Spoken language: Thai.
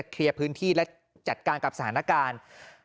เคลียร์พื้นที่และจัดการกับสถานการณ์